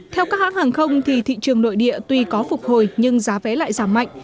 theo các hãng hàng không thì thị trường nội địa tuy có phục hồi nhưng giá vé lại giảm mạnh